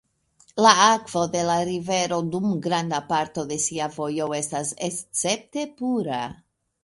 La akvo de la rivero dum granda parto de sia vojo estas escepte pura.